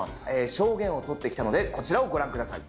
証言をとってきたのでこちらをご覧ください。